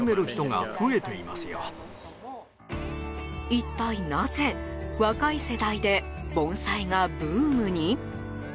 一体なぜ、若い世代で盆栽がブームに？